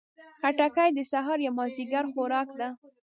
خټکی د سهار یا مازدیګر خوراک ده.